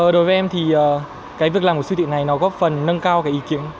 đối với em thì việc làm của siêu thị này góp phần nâng cao ý kiến